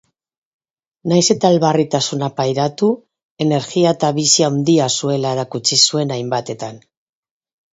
Nahiz eta elbarritasuna pairatu, energia eta bizi handia zuela erakutsi zuen hainbatetan.